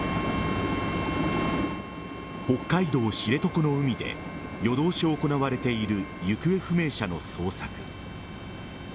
北海道知床の海で夜通し行われている行方不明者の捜索。